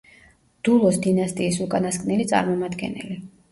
დულოს დინასტიის უკანასკნელი წარმომადგენელი.